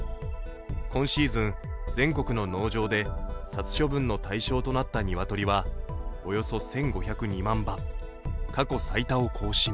今シーズン、全国の農場で殺処分の対象となった鶏はおよそ１５０２万羽、過去最多を更新。